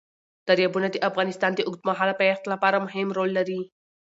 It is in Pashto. دریابونه د افغانستان د اوږدمهاله پایښت لپاره مهم رول لري.